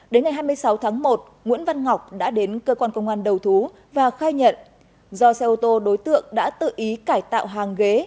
đến ngày hai mươi sáu tháng một nguyễn văn ngọc đã đến cơ quan công an đầu thú và khai nhận do xe ô tô đối tượng đã tự ý cải tạo hàng ghế